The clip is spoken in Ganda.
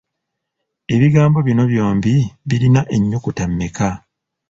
Ebigambo bino byombi birina ennyukuta mmeka?